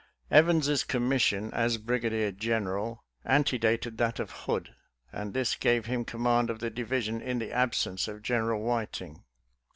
Evans's commission as brigadier general ante dated that of Hood, and this gave him command of the division in the absence of General Whit ing.